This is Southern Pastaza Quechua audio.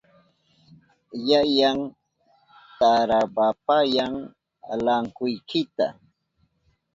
Yayan tarawapayan lankwikita.